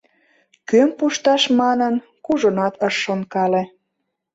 Кӧм пушташ манын, кужунат ыш шонкале.